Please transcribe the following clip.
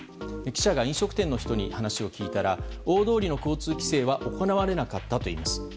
記者が飲食店の人に話を聞いたら大通りの交通規制は行われなかったといいます。